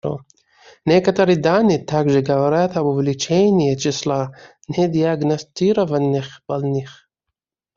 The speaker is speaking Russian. Некоторые данные также говорят об увеличении числа недиагностированных больных.